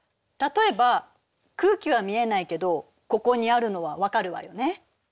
例えば空気は見えないけどここにあるのは分かるわよね？